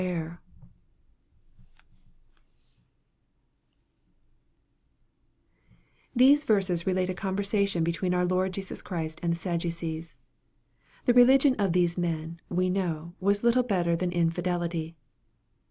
THESE verses relate a conversation between our Lord Jesus Christ and the Sadducees. The religion of these men, we know, was little better than infidelity.